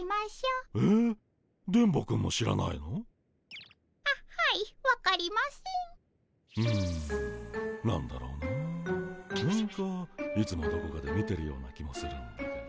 うん何だろうな何かいつもどこかで見てるような気もするんだけど。